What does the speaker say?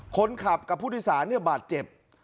คนขับกับผู้โดยสารเนี่ยบาดเจ็บ